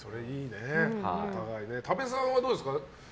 多部さんはどうですか？